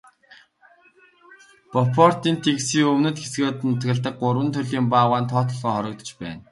Бофортын тэнгисийн өмнөд хэсгээр нутагладаг гурван төрлийн баавгайн тоо толгой хорогдож байна.